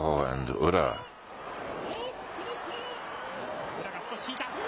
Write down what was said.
宇良が少し引いた。